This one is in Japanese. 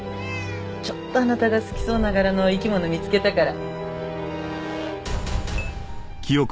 ちょっとあなたが好きそうな柄の生き物見つけたから。